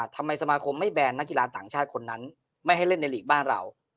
สมาคมไม่แบนนักกีฬาต่างชาติคนนั้นไม่ให้เล่นในหลีกบ้านเรา